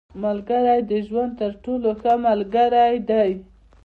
• ملګری د ژوند تر ټولو ښه ملګری دی.